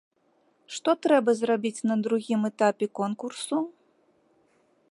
Што трэба зрабіць на другім этапе конкурсу?